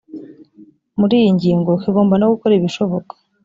muri iyi ngingo kigomba no gukora ibishoboka